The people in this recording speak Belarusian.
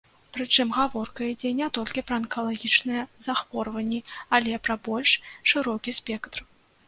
Прычым гаворка ідзе не толькі пра анкалагічныя захворванні, але пра больш шырокі спектр.